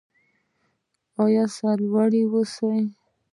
او سرلوړي اوسو.